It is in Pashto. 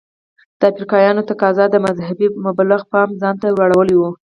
د افریقایانو تقاضا د مذهبي مبلغ پام ځانته ور اړولی و.